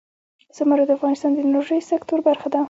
زمرد د افغانستان د انرژۍ سکتور برخه ده.